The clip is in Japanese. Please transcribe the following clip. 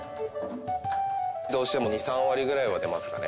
どうしても２３割ぐらいは出ますかね。